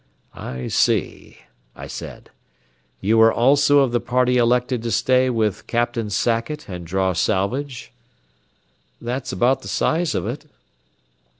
"I see," I said. "You are also of the party elected to stay with Captain Sackett and draw salvage?" "That's about the size of it."